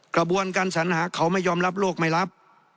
กระบวนการสัญหาเขาไม่ยอมรับโลกไม่รับ